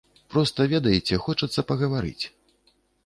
Проста, ведаеце, хочацца пагаварыць.